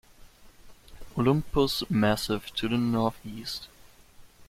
Olympus massif to the northeast.